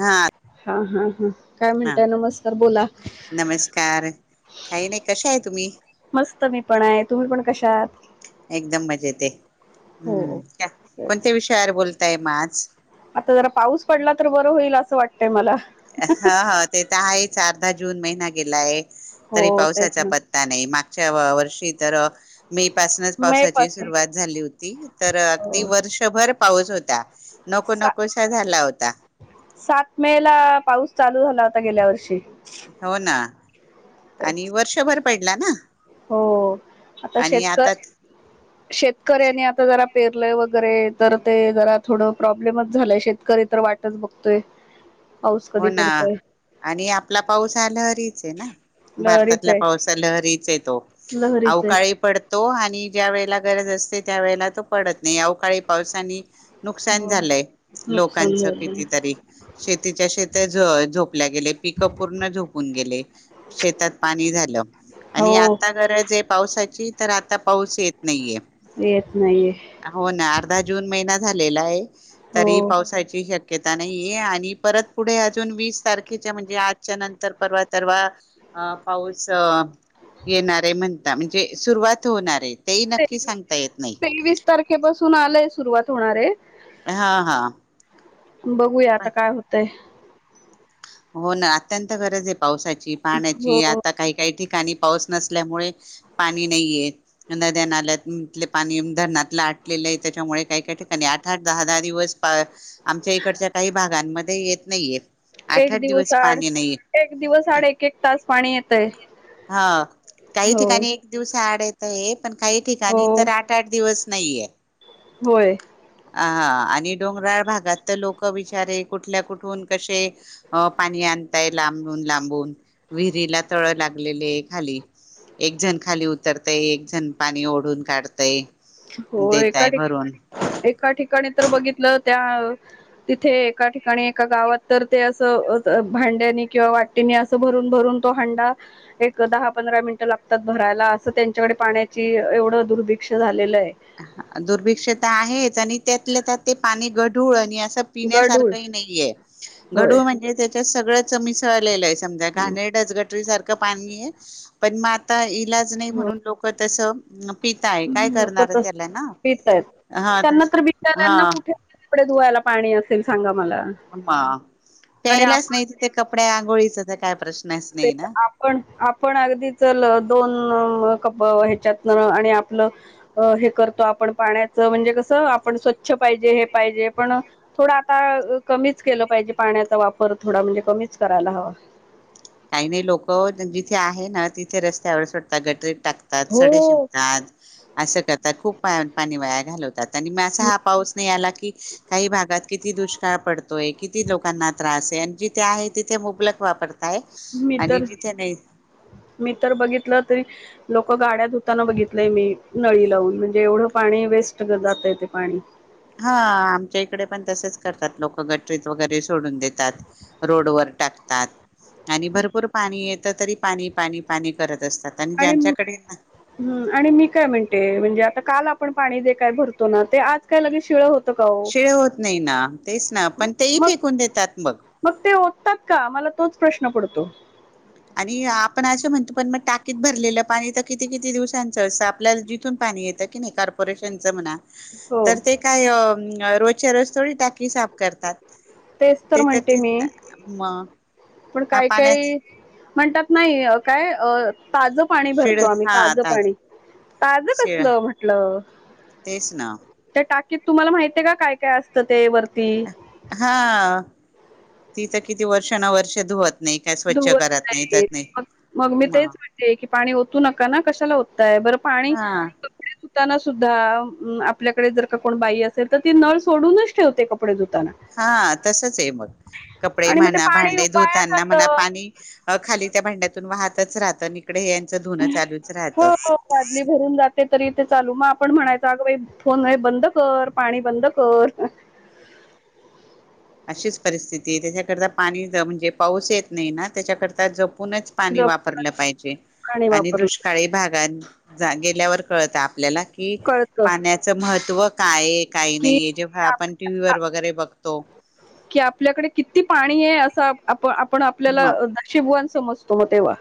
हा हा, हा, हा काय हा म्हणतय, नमस्कार बोला नमस्कार काही नाही कशा आहे तुम्ही मस्त मी पण आहे, तुम्ही पण कशा आहात एकदम मस्त आहे, हो हम्म तेच कोणत्या विषयावर बोलताय मग आज? आता जरा पाऊस पडला तर बरं होईल, असं वाटतय मला ह, ह, ते तर आहेच, अर्धा जून महिना गेलाय, हो तरी तेच पावसाचा ना पत् नाही मागच्या वर्षी तर मे पासूनच मे पावसाची पासून सुरुवात झाली होती, तर अगदी हो वर्षभर पाऊस होता नको सा नकोसा झाला होता. सात में ला पाऊस चालू झाला होता, गेल्या वर्षी हो ना, आणि तेच वर्षभर पडला ना. हो आता शेतक शेतकऱ्यांनी आता जरा पेरलं वगैरे तर ते जरा थोडं प्रॉब्लेमच झालंय शेतकरी तर वाट वाटतच बघतोय पाऊस हो कधी ना पडतोय आणि आपला पाऊस आला हरीच आहे ना लहरीच भारतातल्या आहे पाऊस. लहरीच येतो लहरीच आहे अवकाळी पड तो आणि ज्या वेळेला गरज असते त्या वेळेला तो पडत नाही अवकाळी पावसानी नुकसान हो झालंय, नुकसान लोकांचं झालं कितीतरी शेती च्या शेत झोपल्या गेले, पिक पूर्ण झोपून गेले, शेतात पाणी झालं आणि हो आता गरज आहे पावसाची तर आता पाऊस येत नाहीये येत नाही आहे. हो ना अर्धा जून महिना झालेला आहे हो तरी पावसाची श्य नाही आणि परत पुढे अजून वीस तारखेच्या म्हणजे आजच्या नंतर परवा तरवा अ पाऊस येणार आहे म्हणता म्हणजे सुरुवात होणार आहे तेही ते नक्की सांगता येत नाही. तेवीस तारखेपासून आलंय सुरुवात होणारे. हा हा बघूया आता काय होतय. हो ना अत्यंत गरज आहे पावसाची पाण्याची हो आता काही काही ठिकाणी पाऊस नसल्यामुळे पाणी नाहीये नद्या नाल्याले पाणी धरणात लाट लेलं आहे त्याच्यामुळे काही काय ठेका नाही आठ आठ दहा दहा दिवस आमच्या इकडच्या काही भागांमध्ये येत नाहीये. आठ एक आठ दिवस आड पाणी नाहीये एक दिवस आड एक एक तास पाणी येतय, हा काही हो. ठिकाणी एक दिवसा आड येत आहे पण काही हो ठिकाणी तर आठ आठ दिवस नाहीये. होय अ हा आणि डोंगराळ भागात तर लोक बिचारे कुठल्या कुठून कसे, अ पाणी आणताय लांबून लांबून, विहिरीला तळ लागलेले आहे खाली. एक जण खाली उतरतेय एक जण पाणी ओढून काढतय. हो एका देतय भरून ठिकाणी एका ठिकाणी तर बघितलं त्या- तिथे एका ठिकाणी एका गावात तर ते असं भांड्यानी किंवा वाट- तिने असं भरून भरून तो हांडा. एक दहा पंधरा मिनटं लागतात भरायला असं त्यांच्याकडे पाण्याची एवढं दुर्भिक्ष झालेलं आहे. दुर्भिक्षता आहेच आणि त्यातल्या त्यात ते पाणी गढूळ आणि असं गढूळ पिण्यासारखंही नाही. होय गढुळ म्हणजे त्याच्या सगळं च मिसळलेले आहे समजा घाणेरड घटक सारखं - क पाणी आहे. पण म आता इलाज नाही हो म्हणून लोक तसं पिताय काय करणार. त्याला ना पितायत हा त्यांना तस तर हा बिचाऱ्या कुठे कपडे धुवायला पाणी असेल सांगा मला. आणि प्यायलाच आपण नाही तिथे कपड्या आंघोळीचा तर काय प्रश्नच नाही ना. पण आपण अगदी चल दोन क ह्यच्यातन आणि आपलं. अ हे करतो आपण पाण्याचं म्हणजे कसं आपण स्वच्छ पाहिजे हे पाहिजे पण- थोडा आता कमीच केलं पाहिजे, पाण्याचा वापर थोडा म्हणजे कमीच करायला हवा. काही नाही लोक जिथे आहे ना, तिथे रस्त्यावर सुटतात गटरीत टाकतात. सडे हो शिपतात. असं करतात खूप पाणी वाया घालवतात. आणि मग मी असा हा पाऊस नाही आला की, काही भागात किती दुष्काळ पडतोय, किती लोकांना त्रास आहे, आणि जिथे आहे तिथे मुबलक वापरतो. काय मी आणि तर जिथे नाही. मी तर बघितलं तरी, लोक गाड्या धुताना बघितलंय मी, नळी लावून म्हणजे एवढं पाणी वेस्ट जातय ते पाणी. हा आमच्या इकडे पण तसेच करतात लोक गटरीत वगैरे सोडून देतात. रोडवर टाकतात. आणि भरपूर पाणी येत तरी, पाणी पाणी पाणी करत असतात आणि ज्यांच्याकडे ना, ह् आणि मी काय म्हणते, म्हणजे आता काल आपण पाणी जे काय भरतो ना ते आज काय लगे शिळ होत, शिळे होत नाही ना, तेच ना पण तेही मग फेकून देतात मग. मग ते ओततात का मला तोच प्रश्न पडतो. आणि आपण असं म्हणतो पण मग टाकीत भरलेलं पाणी तर किती किती दिवसांचं असतं आपल्याला जिथून पाणी येतं, की नाही कार्पोरेशनच म्हणा हो तर ते काय अ रोजच्या रोज थोडी टाकी साफ करतात. तेच ते तर म्हणते ते मी म- पण काय काही म्हणतात नाही काय ताज पाणी शिळ भरतो आम्ही, हा ताजं ताज पाणी ताजं शिळ कसलं म्हटलं, तेच ना त्या टाकीत तुम्हाला माहती आहे का, काय काय असतं ते वरती हा ती तर किती वर्ष न वर्ष धुवत नाही काय स्वच्छ धुवत करत नाही तर नाहीत नाही मग मग मी म तेच की ते पाणी ओतू नका ना कशाला होतय बर पाणी हा ताना सुद्धा आपल्याकडे जर का कोण बाई असेल तर ती नळ सोडूनच ठेवते कपडे धुताना हा तसच आहे मग कपडे आणि मग ते म्हणा पाणी भांडे वाया धुतना म्हनला जातं पाणी खाली त्या भांड्यातून वाहतच राहत न इकडे धुन चालूच राहत ते तरी इथे चालू मग आपण म्हणायच अग बाई फोन हे बंद कर पाणी बंद कर, अशीच परिस्थिती, त्याच्याकरता पाणी म्हणजे पाऊस येत नाही ना, त्याच्याकरता जपूनच पाणी जप वापरलं पाहिजे, पाणी आणि वापरलं दुष्क काळी भागात, गेल्यावर कळत आपल्याला कि कळत पाण्याचं महत्त्व कायहाय, काही की नाहीे जेव्हा आपण टीव्ही वर वगैरे बघतो. कि आपल्याकडे किती पाणी हे्य, असं आपण आपल्याला म नशिबवान समजतो मग तेव्हा.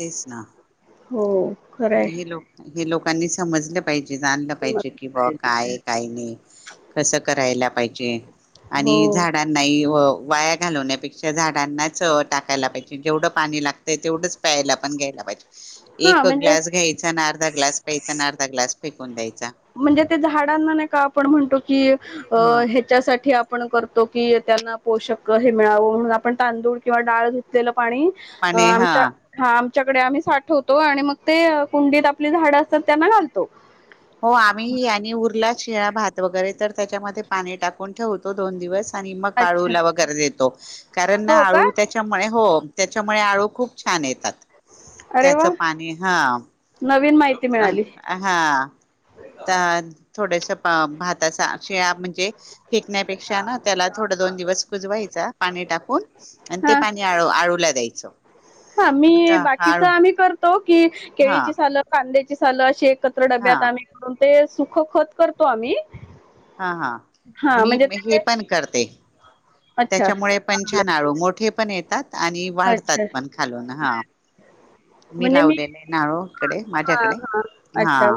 तेच ना. हो. खरंय हे लोक, हे लोकांनी समजलं पाहिजे, जाणलं मलाच पाहिजे की बा काय पाहिजे. आहे, काय नाही, कसं करायला पाहिजे, हो आणि झाड नाही हो, वाया घालवण्यापेक्षा झाडांनाच टाकायला पाहिजे जेवढं पाणी लाग ते तेवढंच प्यायला पण घ्यायला पाहिजे. हा तो म्हणजे ग्लास घ्यायचा आणि अर्धा ग्लास प्यायचा आणि अर्धा ग्लास फेकून द्यायचा. म्हणजे ते झाडांना नाही का आपण म्हणतो की, मग ह्याच्यासाठी आप आपण करतो की त्यांना पोषक हे मिळावं म्हणून आपण तांदूळ किंवा डाळ धुतलेलं पाणी अ, पाणी हा आमच्या हा आमच्याकडे आम्ही साठवतो आणि मग ते कुंडीत आपली झाडं असतात त्यांना घालतो. हो आम्ही ही आणि उरला शिळा भात वगैरे तर त्याच्यामध्ये पाणी टाकून ठेवतो दोन दिवस आणि मग अच्छा आळूला वगैरे देतो. कारण ना हो का आळू, त्याच्यामुळे हो, त्याच्यामुळे आळू खूप छान येतात. अरे वा त्याचं पाणी हा. नवीन माहिती मिळाली. हा, त थोडस भाताचा शिळा म्हणजे फेकण्यापेक्षा ना त्याला थोड दोन दिवस कुजवायचा, पाणी टाकून आणि ते हा पाणी आळू, आळूला द्यायचं हा मी आता आळू बाकीचा आम्ही करतो की, हा केळीची सालं, कांद्याची सालं अशी एकत्र हा डब्यात आम्ही करून, ते सुख खत करतो आम्ही हा, हा हा मी म्हणजे हे ते पण करते. अच्छा त्याच्यामुळे पण छान‌ चांगलंय आळू, मोठे पण येतात आणि अच्छा वाढतात पण खालून हा. मी लावलेले ना आळो, इकडे हां माझ्याकडे हां हा. अच्छा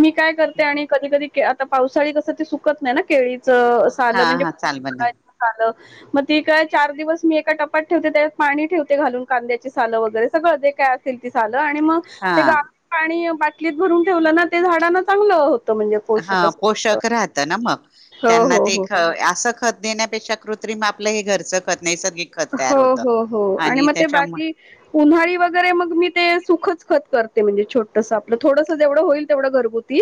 मी काय करते आणि कधी -कधी आता पावसाळी कसं ते सुकत नाही ना केळीच हा, हा चाल बला [unintelligible] मग ती काय, चार दिवस मी एका टपात ठेवते त्यात पाणी ठेवते घालून कांद्याचे सालं वगैरे सगळं जे काय असत साल आणि मग हा ते गाव पाणी बाटलीत भरून ठेवलं ना ते झाडाना चांगलं होतं. म्हणजे हा पोषक असतं. पोषक राहत ना मग, हो, त्यांना हो, ते हो. असं खत देण्यापेक्षा कृत्रिम आपलं हे घरचं खत नैसर्गिक खत हो, तयार होत, हो, हो आणि ते त्याच्या मग बाकी उन्हाळी वगैरे मग मी ते सुखच खत करते म्हणजे छोटस आपलं, थोडस जवढ होईल तेवढ घरगुती.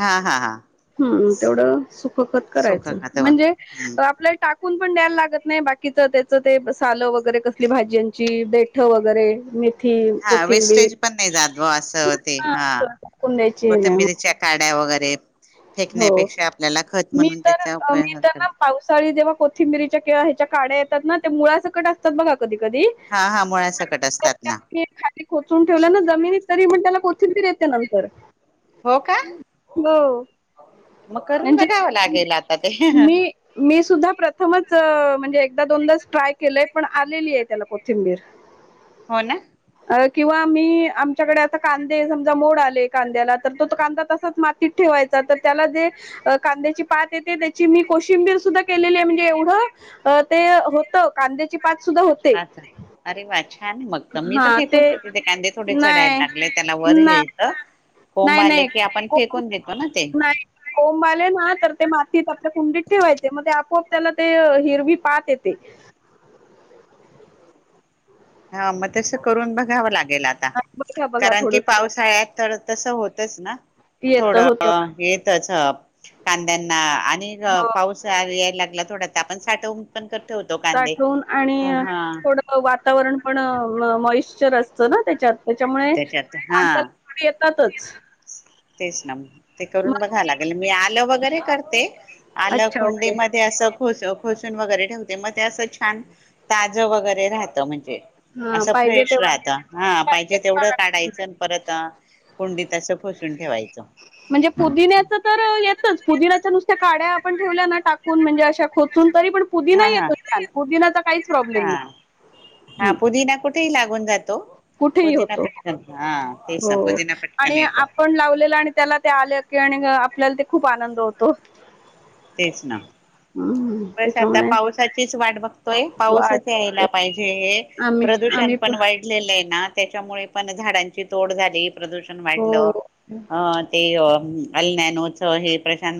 हा हा हा हम् तेवढं सुख खत सुख करायचं, खात म्हणजे हम्म आपल्या टा कून पण द्यायला लागत नाही, बाकीच त्याच ते सालं वगैरे कसली भाज्यांची देठ वगैरे, मेथ हा कोथिंबीर, वेस्टेज पण नाही जात ब असं ते हा टाकून द्यायची नाही मग. कोथिंबिरीच्या काड्या वगैरे, फेकण्यापेक्षा आपल्याला खत मी म्हणून तर त्याचा अ, मी उपयोग तर असलं. ना पावसाळी जेव्हा कोथिंबिरीच्या ह्याच्या काड्या येतात ना त्या मुळासकट असतात बघा कधी- कधी. हा, हा मुळासकट तर असतात त्या ना. ते कोचून ठेवलं ना जमिनीत, तरी म त्याला कोथिं येते नंतर. हो का बो. मग करून बघावं लागेल आता ते. मी मी सुद्धा प्रथमच म्हणजे एकदा दोनदाच ट्राय केलंय पण आलेली आहे त्याला कोथिंबीर. [inaudible] हो ना! अ किंवा मी आमच्याकडे आता कांदे समजा मोड आले कांद्याला तर तो त कांदा तस् सच मातीत ठेवायच तर तर त्याला जे कांद्याची पात येते त्याची मी कोशिंबीर सुद्धा केलेली आहे म्हणजे एवढं अ ते होतं कांद्याची पात सुद्धा होते. अच्छा. अरे वा छान मग तर मी तर फेकून देते ते कांदे थोडे सडायला नाही लागले त्याला वर ना कोंब नाही आले नाही. की आपण को फेकून देतो ना ते. नाही कोंब आले ना तर ते मातीत आपल्या कुंडीत ठेवायचे मग ते आपोआप त्याला ते हिरवी पात येते. हा मग तसं करून बघावं लागेल आ ता आणि बघा बघा कारण की थोडस पावसाळ्यात तर तसं होतच ना? येत होत थोडं येतच कांद्यांना आणि हो पाऊस यायला लागला थोडा त आपण साठवून पण कर ठेवतो कांदे साठवून आणि हा. थोडं वातावरण पण मॉइश्चर असतं ना त्याच्यात. त्याच्यामुळे त्याच्यात कांद्याला हा मोड येतातच. तेच ना ते करून मग बघाव लागेल मी आलं वगैरे करते. आलं अच्छा ओके कुंडीमध्ये ते अस खो खोसून वगैरे ठेवते मग ते असं छान ताजं वगैरे राहतं म्हणजे ते हा असं पाहिजे फ्रेश तेव्हा राहत हा पाहि पाहिजे तेवढ तुम्हाला माहिती. काढायचं परत कुंडीत अस खोसून ठेवायचं. म्हणजे पुदिन्याच तर येतच पुदिन्याच्या नुसत्या काढ्या आपण ठेवल्या ना टाक कुन म्हणजे अशा खोचून तरी पण पुदीना हा हा येतो छान पुदीन्याचा काहीच प्रॉब्लेम हा नाही. हा हं. पुदिना कुठेही लागून जातो कुठेही पुदिना होतो पटक हो आणि आपण लावलेलं आणि त्याला ते आले की आणि आपल्याला ते खूप आनंद होतो. तेच ना. हम्म. बस आता त्याच्यामुळे पावसाचीच वाट बघ तोय वाढ पाऊसच यायला पाहिजे आम्ही प्रदूषण आम्ही पण वाईट लं आहे ना त्याच्यामुळे पण झाडांची तोड झाली प्रदूषण हो वाढलं अ ते [unintelligible] छान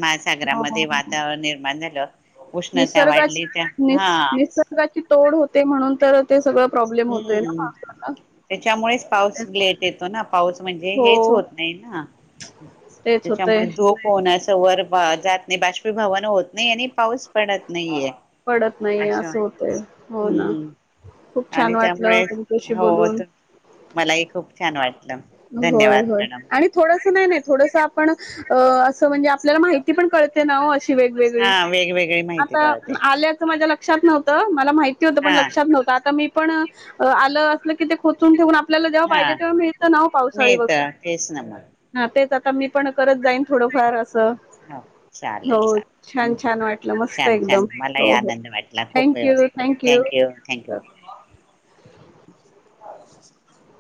हो महासागरामध्ये वातावरण निर्माण झालं. उष्णता निसर्गा वाढली त्या निस हा निसर्गाची तोड होते म्हणून तर ते सगळं प्रॉब्लेम होतोय हम्म. ना. त्याच्यामुळेच पाऊस लेट येतो ना, पाऊस म्हणजे हो हेच होत नाही ना तेच होतय त्याच्यामुळे धुप होऊन अस वर जात नाही, बाष्पीभवन होत नाही आणि पाऊस पडत नाहीेये पडत नाहीये अच्छा असं होतय हो ना हम्म खूप आणि छान त्यामुळे वाटलं तुमच्याशी हो बोलून त मला ही खूप छान वाट होय होय आणि थोडस नाही नाही थोडस आपण असं म्हणजे आप पल्याला माहिती पण कळते ना ओ अशी वेगवेगळी हा वेगवेगळी माहिती आता कळते आल्याचं माझ्या लक्ष लक्षात नव्हतं मला माहिती होत पण हा लक्षात नव्हतं आता मी पण आलं असलं कि ते खोचून ठेवून आपल्याला जेव्हा पाहिजे. हा तेव्हा मिळतं ना पावसाळी व मिळत तेच ना मग हा तेच आता मी पण करत जाईन थोडंफार असं. हो चालेल हो चालेल छान-छान वाटलं. मस्त छान एकदम छान मलाही हो, हो आनंद वाटला खूप थँक यू व्यवस्थित थँक्यू. थँक्यू. [unintelligible]